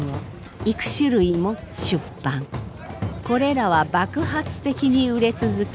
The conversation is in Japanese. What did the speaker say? これらは爆発的に売れ続け